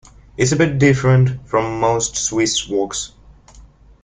It's a bit different from most Swiss works.